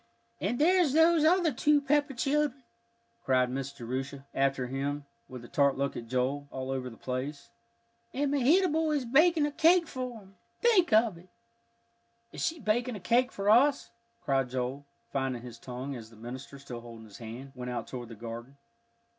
"And there's those other two Pepper children," cried Miss Jerusha after him, with a tart look at Joel, "all over the place. And Mehitable is baking a cake for 'em think of it!" "Is she baking a cake for us?" cried Joel, finding his tongue, as the minister, still holding his hand, went out toward the garden.